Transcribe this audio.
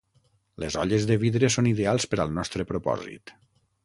Les olles de vidre són ideals per al nostre propòsit.